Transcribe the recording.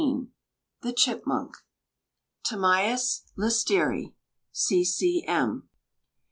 ] THE CHIPMUNK. (Tamias lysteri.) C. C. M.